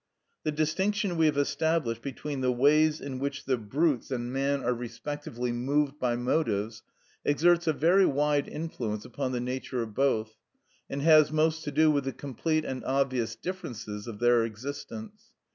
The distinction we have established between the ways in which the brutes and man are respectively moved by motives exerts a very wide influence upon the nature of both, and has most to do with the complete and obvious differences of their existence.